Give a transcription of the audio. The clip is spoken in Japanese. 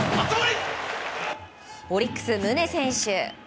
オリックス、宗選手。